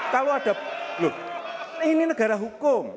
kalau ada loh ini negara hukum